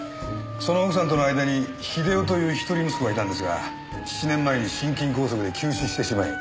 その奥さんとの間に英雄という一人息子がいたんですが７年前に心筋梗塞で急死してしまい。